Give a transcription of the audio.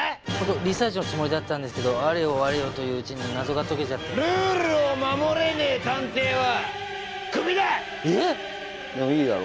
リサーチのつもりだったんですけどあれよあれよといううちに謎が解けちゃってルールを守れねえ探偵はクビだ！えっ！？いいだろ？